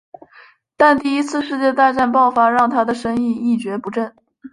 但第一次世界大战爆发让他的生意一蹶不振。